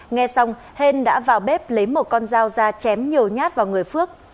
nghe xong hên đã vào bếp lấy một con dao ra chém nhiều nhát vào người phước